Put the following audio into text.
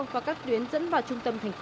và các tuyến dẫn vào trung tâm thành phố